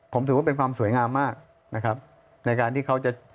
ผมถือว่าเป็นความสวยงามมากนะครับในการที่เขาจะ